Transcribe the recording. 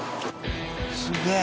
すげえ。